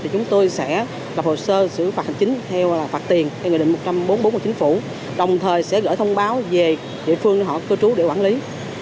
của một chính phủ đồng thời sẽ gửi thông báo về địa phương họ cư trú để quản lý